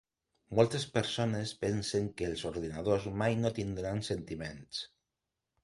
Moltes persones pensen que els ordinadors mai no tindran sentiments.